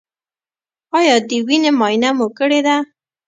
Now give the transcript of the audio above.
ایا د وینې معاینه مو کړې ده؟